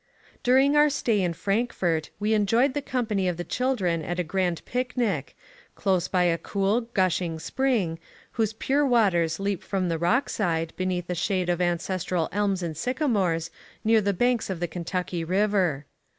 During our stay in Frankfort we enjoyed the company of the children at a grand pic nic, close by a cool, gush ing spring, whose pure waters leap from the rock side beneath the shade 6f ancestral elms and sycamores, near the banks of the Kentucky River.